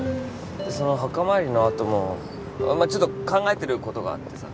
でその墓参りの後もあっまあちょっと考えてることがあってさ。